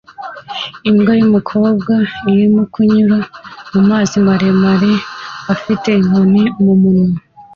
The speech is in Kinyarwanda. Imbwa yumukobwa irimo kunyura mumazi maremare afite inkoni mumunwa